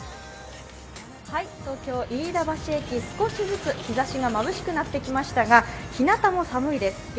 東京・飯田橋駅、少しずつ日ざしがまぶしくなってきましたがひなたも寒いです。